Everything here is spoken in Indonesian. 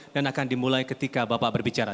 dan akan dimulai ketika bapak berbicara